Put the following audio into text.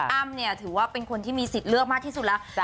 อ้ำเนี่ยถือว่าเป็นคนที่มีสิทธิ์เลือกมากที่สุดแล้ว